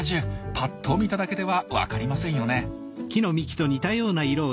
ぱっと見ただけでは分かりませんよね。